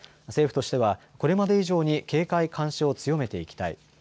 政府としてはこれまで以上に警戒監視を強めていきたい。